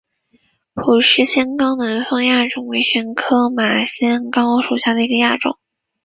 普氏马先蒿南方亚种为玄参科马先蒿属下的一个亚种。